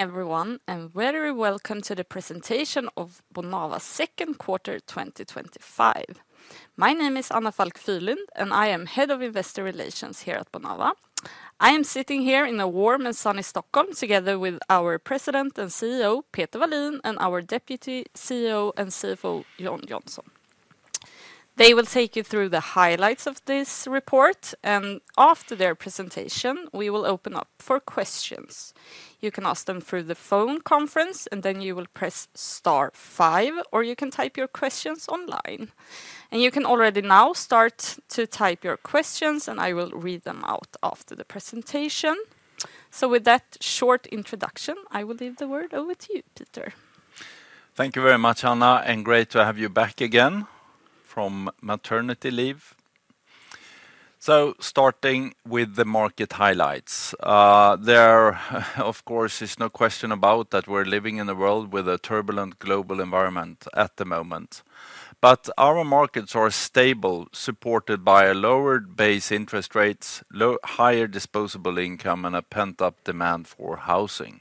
Everyone, and very welcome to the presentation of Bonava's second quarter 2025. My name is Anna Falck Fyhrlund, and I am Head of Investor Relations here at Bonava. I am sitting here in a warm and sunny Stockholm, together with our President and CEO, Peter Wallin, and our Deputy CEO and CFO, Jon Johnsson. They will take you through the highlights of this report, and after their presentation, we will open up for questions. You can ask them through the phone conference, and you will press star five, or you can type your questions online. You can already now start to type your questions, and I will read them out after the presentation. With that short introduction, I will leave the word over to you, Peter. Thank you very much, Anna, and great to have you back again from maternity leave. Starting with the market highlights, there is no question that we're living in a world with a turbulent global environment at the moment. Our markets are stable, supported by a lower base interest rate, higher disposable income, and a pent-up demand for housing.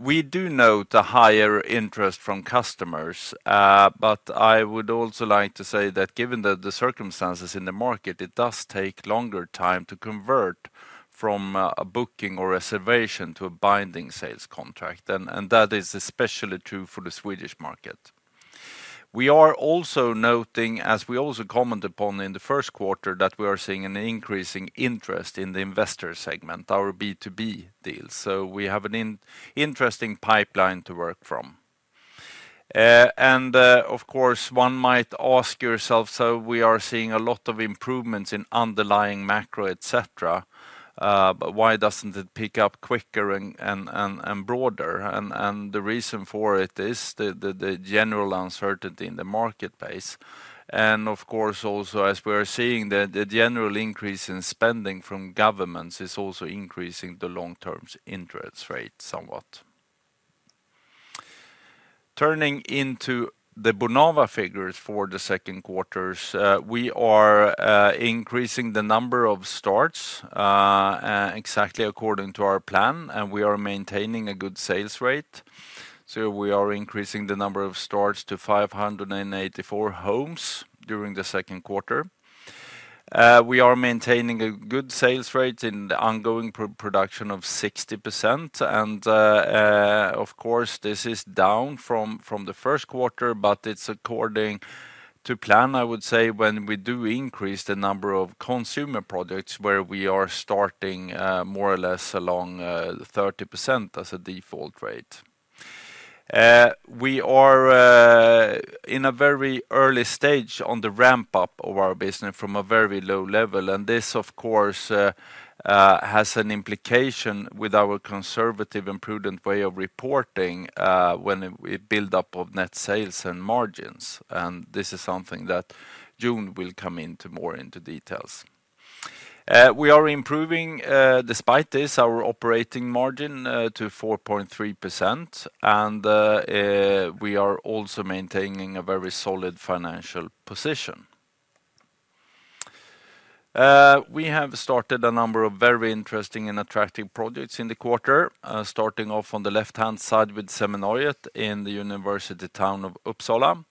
We do note a higher interest from customers. I would also like to say that given the circumstances in the market, it does take longer to convert from a booking or reservation to a binding sales contract, and that is especially true for the Swedish market. We are also noting, as we commented upon in the first quarter, that we are seeing an increasing interest in the investor segment, our B2B deals. We have an interesting pipeline to work from. One might ask yourself, we are seeing a lot of improvements in underlying macro, et cetera. Why doesn't it pick up quicker and broader? The reason for it is the general uncertainty in the marketplace. Also, as we are seeing, the general increase in spending from governments is increasing the long-term interest rate somewhat. Turning into the Bonava figures for the second quarter, we are increasing the number of starts, exactly according to our plan, and we are maintaining a good sales rate. We are increasing the number of starts to 584 homes during the second quarter. We are maintaining a good sales rate in the ongoing production of 60%. This is down from the first quarter, but it's according to plan, I would say, when we do increase the number of consumer products where we are starting more or less along 30% as a default rate. We are in a very early stage on the ramp-up of our business from a very low level, and this has an implication with our conservative and prudent way of reporting when we build up net sales and margins. This is something that Jon will come into more in detail. We are improving, despite this, our operating margin to 4.3%, and we are also maintaining a very solid financial position. We have started a number of very interesting and attractive projects in the quarter, starting off on the left-hand side with Seminariet in the university town of Uppsala,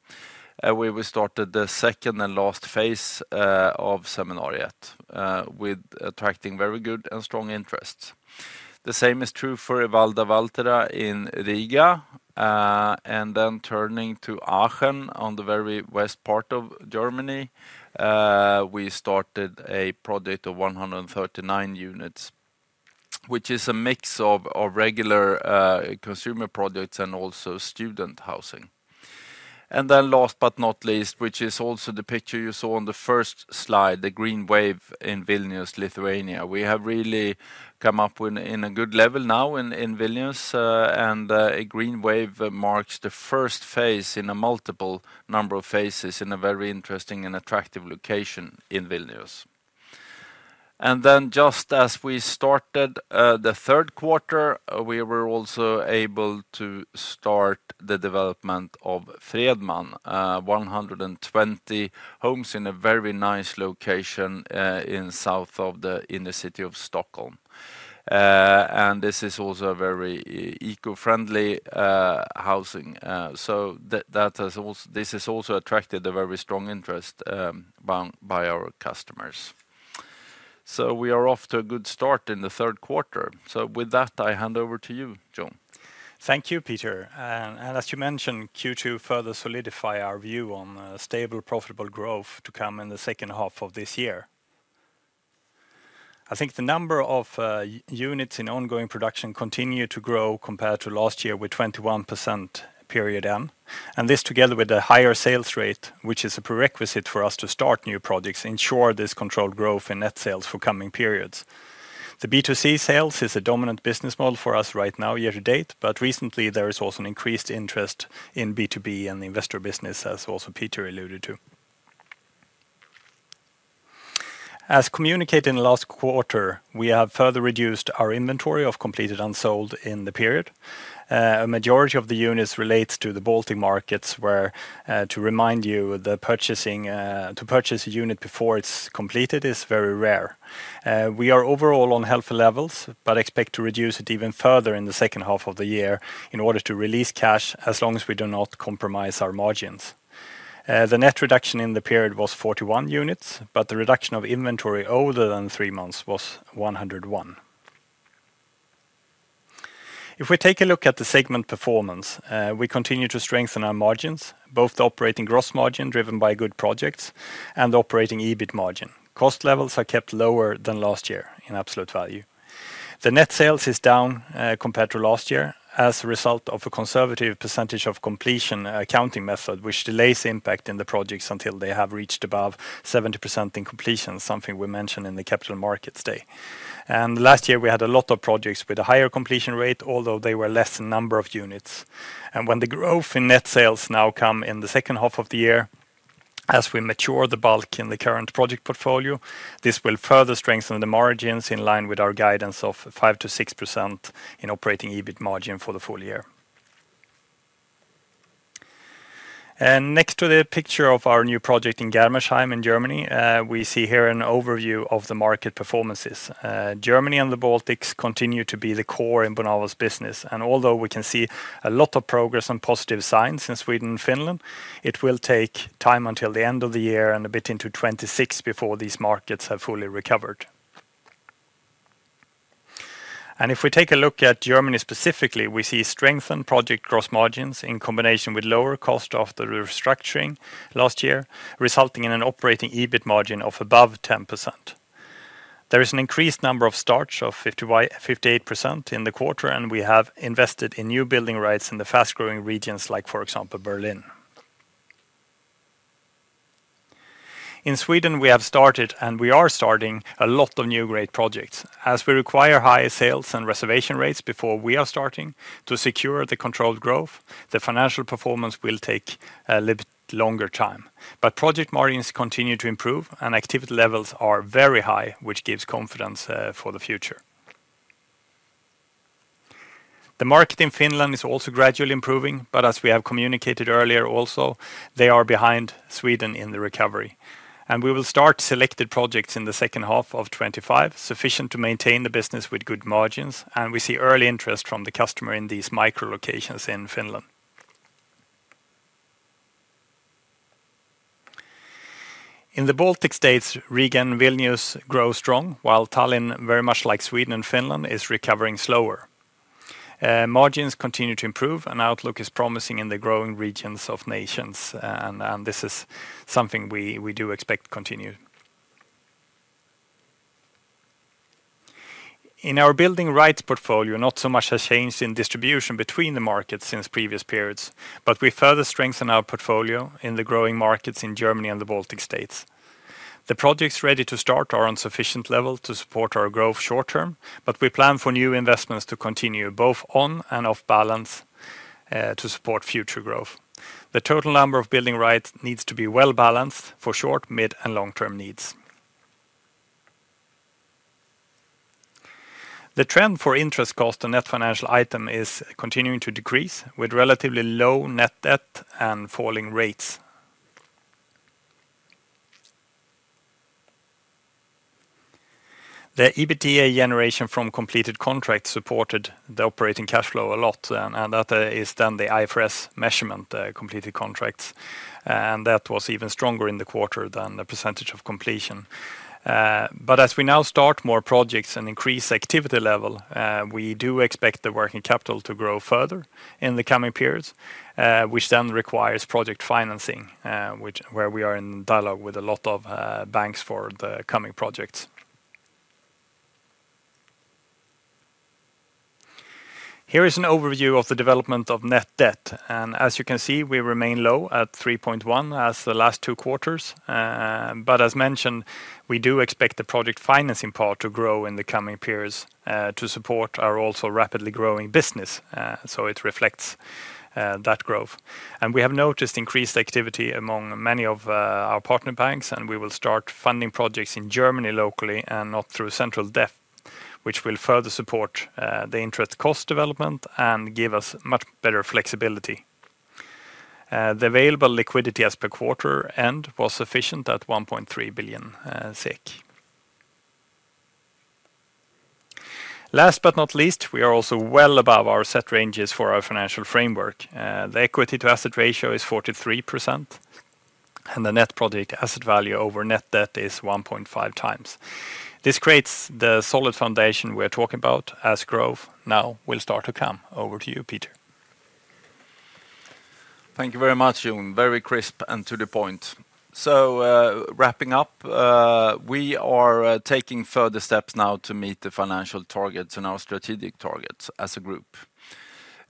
where we started the second and last phase of Seminariet, attracting very good and strong interests. The same is true for Evalda Valtera in Riga, and then turning to Aachen on the very west part of Germany, we started a project of 139 units, which is a mix of regular consumer products and also student housing. Last but not least, which is also the picture you saw on the first slide, the Green Wave in Vilnius, Lithuania. We have really come up in a good level now in Vilnius, and Green Wave marks the first phase in a multiple number of phases in a very interesting and attractive location in Vilnius. Just as we started the third quarter, we were also able to start the development of Fredman, 120 homes in a very nice location in the south of the inner city of Stockholm. This is also a very eco-friendly housing. That has also attracted a very strong interest by our customers. We are off to a good start in the third quarter. With that, I hand over to you, Jon. Thank you, Peter. As you mentioned, Q2 further solidifies our view on stable, profitable growth to come in the second half of this year. I think the number of units in ongoing production continues to grow compared to last year with 21% period end. This, together with the higher sales rate, which is a prerequisite for us to start new projects, ensures this controlled growth in net sales for coming periods. The B2C sales is a dominant business model for us right now, year to date, but recently there is also an increased interest in B2B and the investor business, as also Peter alluded to. As communicated in the last quarter, we have further reduced our inventory of completed unsold in the period. A majority of the units relate to the Baltic markets, where, to remind you, to purchase a unit before it's completed is very rare. We are overall on healthy levels, but expect to reduce it even further in the second half of the year in order to release cash as long as we do not compromise our margins. The net reduction in the period was 41 units, but the reduction of inventory older than three months was 101. If we take a look at the segment performance, we continue to strengthen our margins, both the operating gross margin driven by good projects and the operating EBIT margin. Cost levels are kept lower than last year in absolute value. The net sales is down compared to last year as a result of a conservative percentage-of-completion accounting method, which delays the impact in the projects until they have reached above 70% in completion, something we mentioned in the capital markets day. Last year we had a lot of projects with a higher completion rate, although they were less in the number of units. When the growth in net sales now comes in the second half of the year, as we mature the bulk in the current project portfolio, this will further strengthen the margins in line with our guidance of 5% to 6% in operating EBIT margin for the full year. Next to the picture of our new project in Germersheim in Germany, we see here an overview of the market performances. Germany and the Baltics continue to be the core in Bonava's business, and although we can see a lot of progress and positive signs in Sweden and Finland, it will take time until the end of the year and a bit into 2026 before these markets have fully recovered. If we take a look at Germany specifically, we see strengthened project gross margins in combination with lower cost after restructuring last year, resulting in an operating EBIT margin of above 10%. There is an increased number of starts of 58% in the quarter, and we have invested in new building rights in the fast-growing regions like, for example, Berlin. In Sweden, we have started, and we are starting a lot of new great projects. As we require higher sales and reservation rates before we are starting to secure the controlled growth, the financial performance will take a little bit longer time. Project margins continue to improve, and activity levels are very high, which gives confidence for the future. The market in Finland is also gradually improving, but as we have communicated earlier, also they are behind Sweden in the recovery. We will start selected projects in the second half of 2025, sufficient to maintain the business with good margins, and we see early interest from the customer in these micro-locations in Finland. In the Baltic states, Riga and Vilnius grow strong, while Tallinn, very much like Sweden and Finland, is recovering slower. Margins continue to improve, and outlook is promising in the growing regions of nations, and this is something we do expect to continue. In our building rights portfolio, not so much has changed in distribution between the markets since previous periods, but we further strengthen our portfolio in the growing markets in Germany and the Baltic states. The projects ready to start are on sufficient level to support our growth short term, but we plan for new investments to continue both on and off balance to support future growth. The total number of building rights needs to be well balanced for short, mid, and long-term needs. The trend for interest cost and net financial item is continuing to decrease, with relatively low net debt and falling rates. The EBITDA generation from completed contracts supported the operating cash flow a lot, and that is then the IFRS measurement, completed contracts. That was even stronger in the quarter than the percentage-of-completion. As we now start more projects and increase activity level, we do expect the working capital to grow further in the coming periods, which then requires project financing, where we are in dialogue with a lot of banks for the coming projects. Here is an overview of the development of net debt, and as you can see, we remain low at 3.1% as the last two quarters. As mentioned, we do expect the project financing part to grow in the coming periods to support our also rapidly growing business, so it reflects that growth. We have noticed increased activity among many of our partner banks, and we will start funding projects in Germany locally and not through central debt, which will further support the interest cost development and give us much better flexibility. The available liquidity as per quarter end was sufficient at 1.3 billion SEK. Last but not least, we are also well above our set ranges for our financial framework. The equity-to-asset ratio is 43%, and the net project asset value over net debt is 1.5x. This creates the solid foundation we're talking about as growth now will start to come. Over to you, Peter. Thank you very much, Jon. Very crisp and to the point. Wrapping up, we are taking further steps now to meet the financial targets and our strategic targets as a group.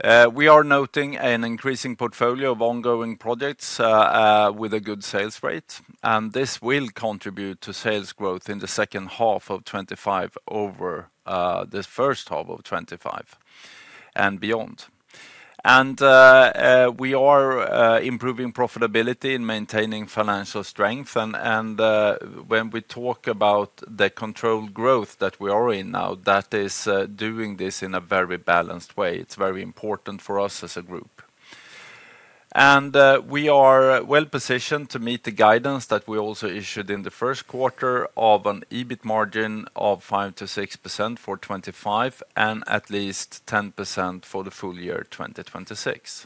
We are noting an increasing portfolio of ongoing projects with a good sales rate, and this will contribute to sales growth in the second half of 2025 over the first half of 2025 and beyond. We are improving profitability and maintaining financial strength, and when we talk about the controlled growth that we are in now, that is doing this in a very balanced way. It is very important for us as a group. We are well positioned to meet the guidance that we also issued in the first quarter of an EBIT margin of 5% to 6% for 2025 and at least 10% for the full year 2026.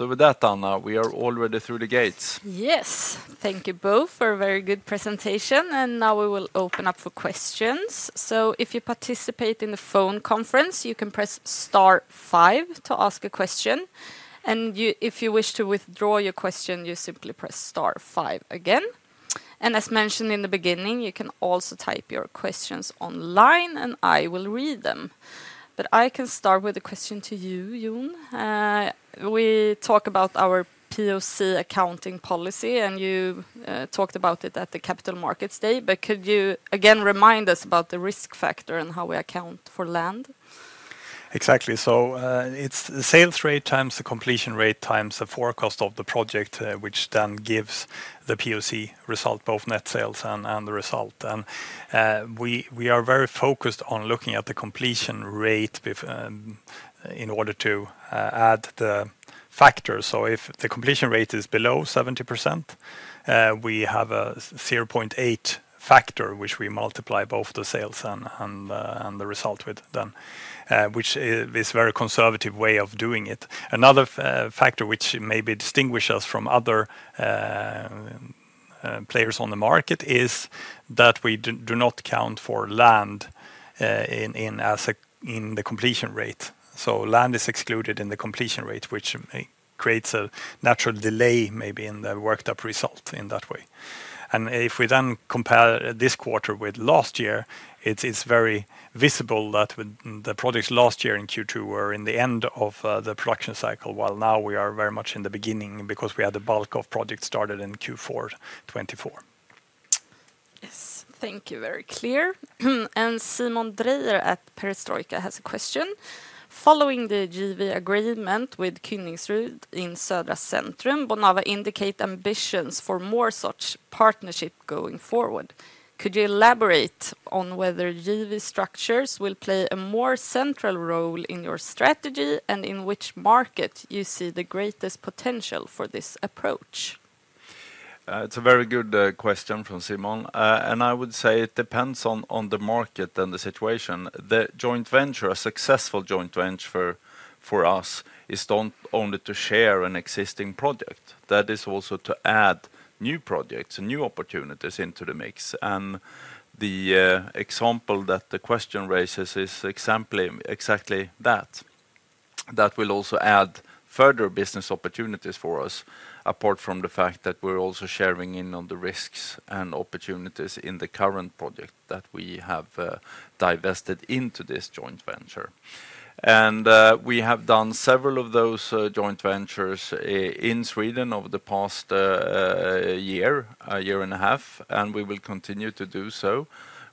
With that, Anna, we are already through the gates. Yes, thank you both for a very good presentation, and now we will open up for questions. If you participate in the phone conference, you can press star five to ask a question, and if you wish to withdraw your question, you simply press star five again. As mentioned in the beginning, you can also type your questions online, and I will read them. I can start with a question to you, Jon. We talked about our POC accounting policy, and you talked about it at the capital markets day. Could you again remind us about the risk factor and how we account for land? Exactly. It's the sales rate times the completion rate times the forecast of the project, which then gives the POC result, both net sales and the result. We are very focused on looking at the completion rate in order to add the factor. If the completion rate is below 70%, we have a 0.8 factor, which we multiply both the sales and the result with, which is a very conservative way of doing it. Another factor which maybe distinguishes us from other players on the market is that we do not count for land in the completion rate. Land is excluded in the completion rate, which creates a natural delay maybe in the worked-up result in that way. If we then compare this quarter with last year, it is very visible that the projects last year in Q2 were in the end of the production cycle, while now we are very much in the beginning because we had a bulk of projects started in Q4 2024. Yes, thank you. Very clear. Simon Dreyer at Perestroika has a question. Following the joint venture agreement with Kynningsrud in Södra centrum, Bonava indicates ambitions for more such partnership going forward. Could you elaborate on whether joint venture structures will play a more central role in your strategy and in which market you see the greatest potential for this approach? It's a very good question from Simon, and I would say it depends on the market and the situation. The joint venture, a successful joint venture for us, is not only to share an existing project. That is also to add new projects and new opportunities into the mix. The example that the question raises is exactly that. That will also add further business opportunities for us, apart from the fact that we're also sharing in on the risks and opportunities in the current project that we have divested into this joint venture. We have done several of those joint ventures in Sweden over the past year, a year and a half, and we will continue to do so.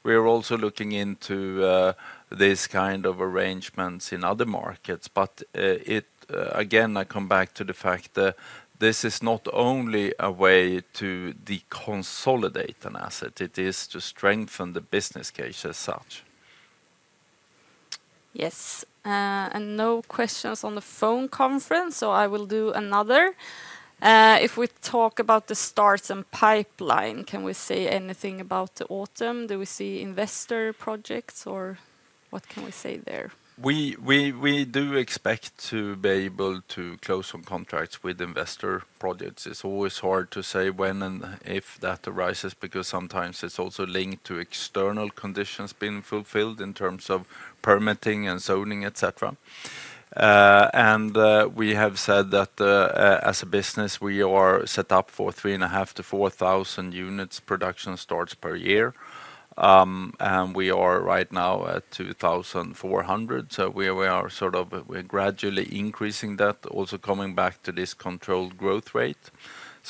We are also looking into these kinds of arrangements in other markets. Again, I come back to the fact that this is not only a way to deconsolidate an asset. It is to strengthen the business case as such. Yes, and no questions on the phone conference, so I will do another. If we talk about the starts and project pipeline, can we say anything about the autumn? Do we see investor projects, or what can we say there? We do expect to be able to close some contracts with investor projects. It's always hard to say when and if that arises because sometimes it's also linked to external conditions being fulfilled in terms of permitting and zoning, et cetera. We have said that as a business, we are set up for 3,500 to 4,000 units production starts per year, and we are right now at 2,400. We are sort of gradually increasing that, also coming back to this controlled growth rate.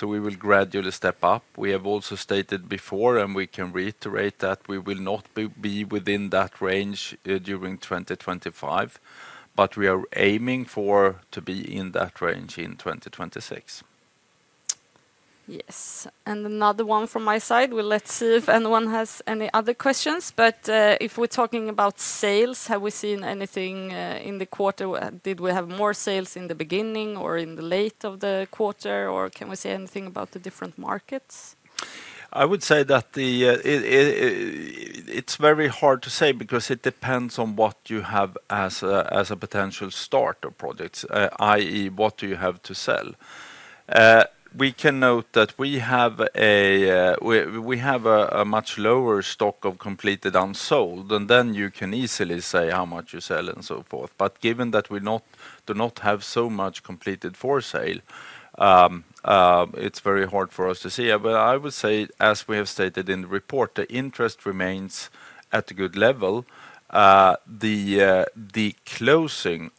We will gradually step up. We have also stated before, and we can reiterate that we will not be within that range during 2025, but we are aiming to be in that range in 2026. Yes, another one from my side. Let's see if anyone has any other questions. If we're talking about sales, have we seen anything in the quarter? Did we have more sales in the beginning or in the late of the quarter, or can we say anything about the different markets? I would say that it's very hard to say because it depends on what you have as a potential start of projects, i.e., what do you have to sell? We can note that we have a much lower stock of completed unsold, and then you can easily say how much you sell and so forth. Given that we do not have so much completed for sale, it's very hard for us to see. I would say, as we have stated in the report, the interest remains at a good level. The closing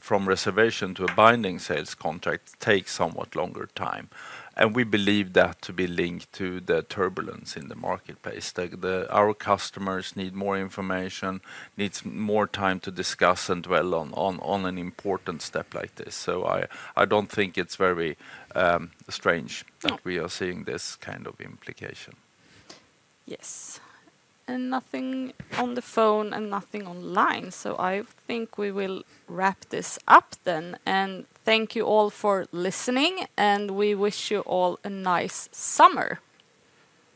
from reservation to a binding sales contract takes somewhat longer time, and we believe that to be linked to the turbulence in the marketplace. Our customers need more information, need more time to discuss and dwell on an important step like this. I don't think it's very strange that we are seeing this kind of implication. Yes, nothing on the phone and nothing online. I think we will wrap this up then, and thank you all for listening, and we wish you all a nice summer.